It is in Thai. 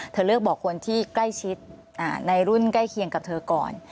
เธอเลือกบอกคนที่ใกล้ชิดในรุ่นใกล้เคียงกับเธอก่อน